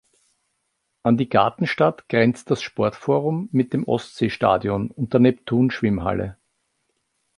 An die Gartenstadt grenzt das Sportforum mit dem Ostseestadion und der Neptun-Schwimmhalle.